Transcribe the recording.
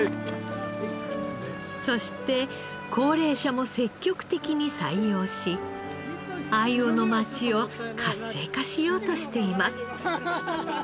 そして高齢者も積極的に採用し秋穂の町を活性化しようとしています。